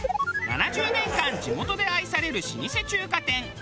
７０年間地元で愛される老舗中華店応竜。